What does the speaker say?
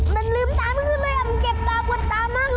มันลืมตามันคือแม่มันเจ็บตาปวดตามากเลย